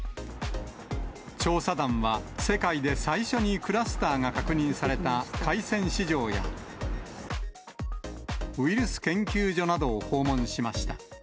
調査団は、世界で最初にクラスターが確認された海鮮市場や、ウイルス研究所などを訪問しました。